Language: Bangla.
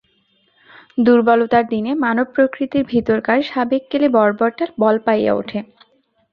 দুর্বলতার দিনে মানবপ্রকৃতির ভিতরকার সাবেককেলে বর্বরটা বল পাইয়া উঠে।